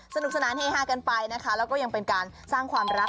สนุกสนานเฮฮากันไปนะคะแล้วก็ยังเป็นการสร้างความรัก